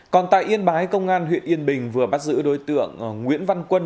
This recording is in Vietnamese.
còn tại yên bái công an huyện yên bình vừa bắt giữ đối tượng nguyễn văn quân